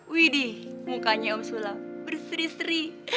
widih mukanya om sulam berseri seri